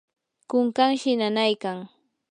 kunkanshi nanaykan.